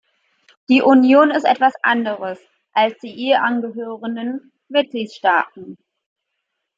Die Union ist etwas anderes als die ihr angehörenden Mitgliedstaaten.